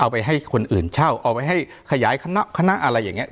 ไปให้คนอื่นเช่าเอาไปให้ขยายคณะอะไรอย่างนี้